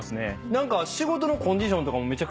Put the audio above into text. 何か仕事のコンディションとかもめちゃくちゃいいんすよね。